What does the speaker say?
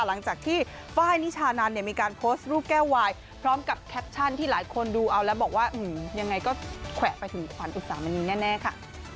หลังจากที่ไฟล์นิชานันเนี่ยมีการโพสต์รูปแก้ววายพร้อมกับแคปชั่นที่หลายคนดูเอาแล้วบอกว่ายังไงก็แขวะไปถึงขวัญอุตสามณีแน่ค่ะ